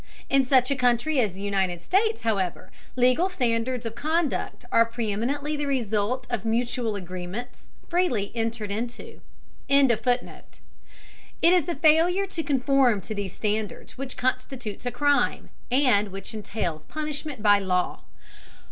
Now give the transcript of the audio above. In such a country as the United States, however, legal standards of conduct are preeminently the result of mutual agreements, freely entered into.] It is the failure to conform to these standards which constitutes a crime, and which entails punishment by law.